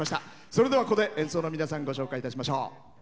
それでは、ここで演奏の皆さんご紹介しましょう。